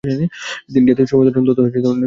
তিনি জাতীয় সমাজতন্ত্র তথা নাৎসিবাদের সমর্থক ছিলেন।